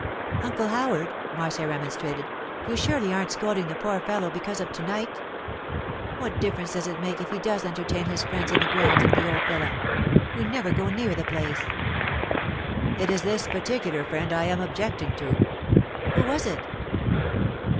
'Uncle Howard,' Marcia remonstrated, 'you surely aren't scolding the poor fellow because of to night? What difference does it make if he does entertain his friends in the grounds of the old villa? We never go near the place.' 'It is this particular friend I am objecting to.' 'Who was it?